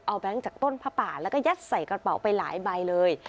แก๊งจากต้นผ้าป่าแล้วก็ยัดใส่กระเป๋าไปหลายใบเลย